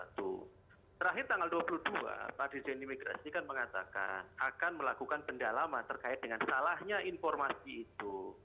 terakhir tanggal dua puluh dua pak dirjen imigrasi kan mengatakan akan melakukan pendalaman terkait dengan salahnya informasi itu